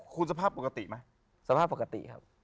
คุณสภาพปกติไหมสภาพปกติครับ